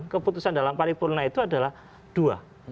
keputusan dalam paripurna itu adalah dua